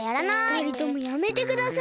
ふたりともやめてください。